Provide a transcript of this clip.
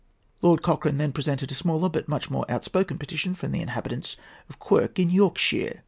Lord Cochrane then presented a smaller but much more outspoken petition from the inhabitants of Quirk, in Yorkshire.